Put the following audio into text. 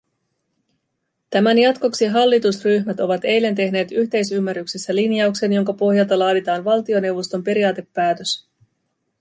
Tämän jatkoksi hallitusryhmät ovat eilen tehneet yhteisymmärryksessä linjauksen, jonka pohjalta laaditaan valtioneuvoston periaatepäätös.